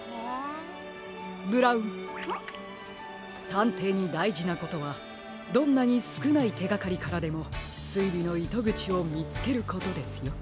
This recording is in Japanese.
たんていにだいじなことはどんなにすくないてがかりからでもすいりのいとぐちをみつけることですよ。